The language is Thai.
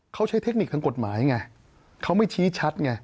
เขาใช้เทคนิคทางกฎหมายไงเขาไม่ชี้ชัดไง